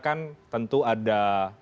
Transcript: kan tentu ada